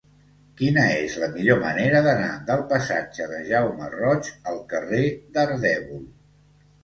Quina és la millor manera d'anar del passatge de Jaume Roig al carrer d'Ardèvol?